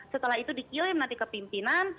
setelah itu dikirim nanti ke pimpinan